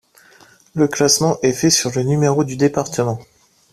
Le classement est fait sur le numéro du département.